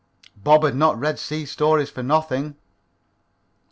Bob had not read sea stories for nothing.